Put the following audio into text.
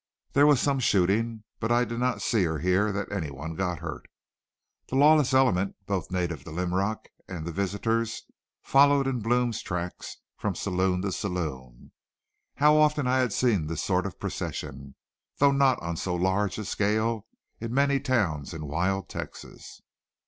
There was some shooting, but I did not see or hear that any one got hurt. The lawless element, both native to Linrock and the visitors, followed in Blome's tracks from saloon to saloon. How often had I seen this sort of procession, though not on so large a scale, in many towns of wild Texas!